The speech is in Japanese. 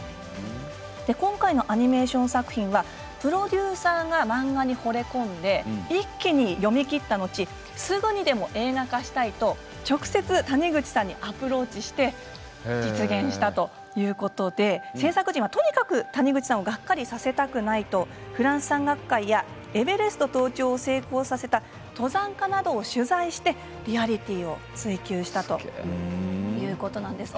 今回のアニメーション作品はプロデューサーが漫画にほれ込んで一気に読み切った後すぐにでも映画化したいと直接、谷口さんにアプローチして実現したということで製作陣はとにかく谷口さんをがっかりさせたくないとフランス山岳会やエベレスト登頂を成功させた登山家などを取材してリアリティーを追求したということなんです。